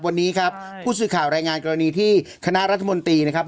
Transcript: วันนี้ครับผู้สื่อข่าวรายงานกรณีที่คณะรัฐมนตรีนะครับ